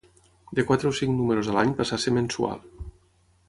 De quatre o cinc números a l'any passà a ser mensual.